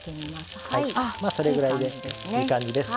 それぐらいでいい感じです。